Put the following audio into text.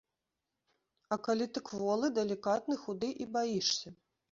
А калі ты кволы, далікатны, худы і баішся?